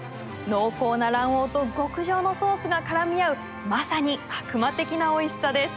濃厚な卵黄と極上のソースが絡み合うまさに「悪魔的なおいしさ」です。